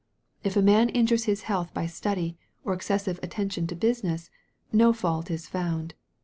If a man injures his health by study, or excessive attention to business, no fault is found